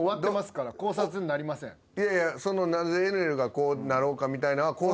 いやいやなぜエネルがこうなろうかみたいなのは。